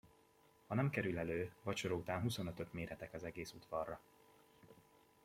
Ha nem kerül elő, vacsora után huszonötöt méretek az egész udvarra!